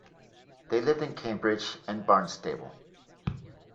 They lived in Cambridge and Barnstable.